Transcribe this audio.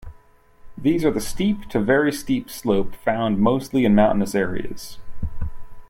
These are the steep to very steep slope found mostly in mountains areas.